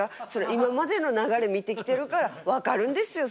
今までの流れ見てきてるから分かるんですよ